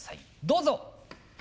どうぞ！